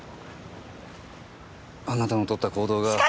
あなたのとった行動が。